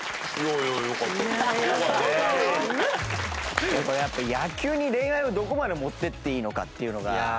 これやっぱ野球に恋愛をどこまで持っていっていいのかっていうのが。